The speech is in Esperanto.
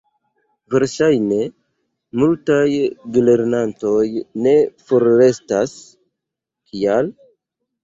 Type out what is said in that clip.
Verŝajne multaj gelernantoj ne forrestas. Kial?